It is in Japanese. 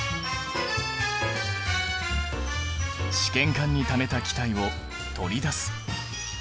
試験管にためた気体を取り出す。